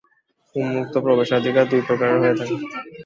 উন্মুক্ত প্রবেশাধিকার দুই প্রকারের হয়ে থাকে।